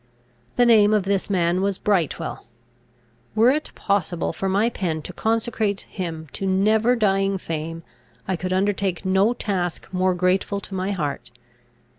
The name of this man was Brightwel. Were it possible for my pen to consecrate him to never dying fame, I could undertake no task more grateful to my heart.